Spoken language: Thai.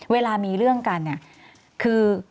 เวลามีเรื่องกันคือ